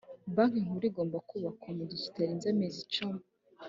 banki nkuru igomba ku bakwa mu gihe kitarenze amezi icumi